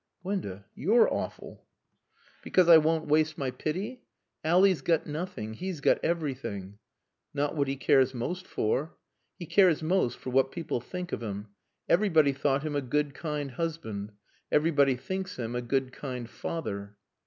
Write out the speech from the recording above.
"Gwenda, you're awful." "Because I won't waste my pity? Ally's got nothing He's got everything." "Not what he cares most for." "He cares most for what people think of him. Everybody thought him a good kind husband. Everybody thinks him a good kind father."